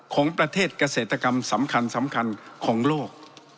ของประเทศเกษตรกรรมสำคัญของโลก